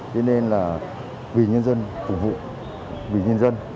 thế nên là vì nhân dân phục vụ vì nhân dân